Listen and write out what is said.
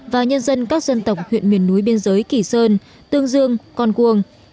và nhân dân các dân tộc huyện miền núi biên giới kỳ sơn tương dương con cuông